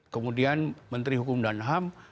kemudian menteri hukum dan ham